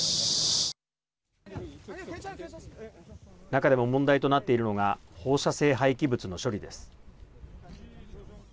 中でも問題となっているのが放射性廃棄物の処理です。